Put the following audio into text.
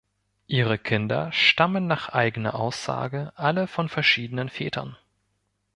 Ihre Kinder stammen nach eigener Aussage alle von verschiedenen Vätern.